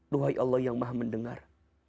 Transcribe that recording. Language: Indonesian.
duhai allah yang maha mendengar